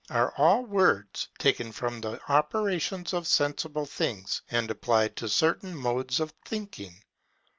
are all words taken from the operations of sensible things, and applied to certain modes of thinking.